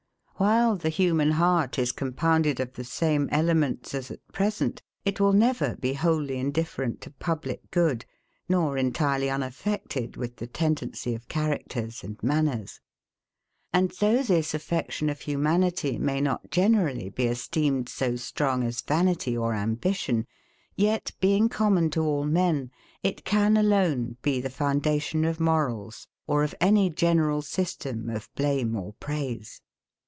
While the human heart is compounded of the same elements as at present, it will never be wholly indifferent to public good, nor entirely unaffected with the tendency of characters and manners. And though this affection of humanity may not generally be esteemed so strong as vanity or ambition, yet, being common to all men, it can alone be the foundation of morals, or of any general system of blame or praise.